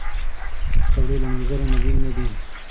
پکورې له ملګرو نه بېل نه دي